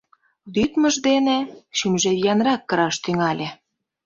Лӱдмыж дене шӱмжӧ виянрак кыраш тӱҥале.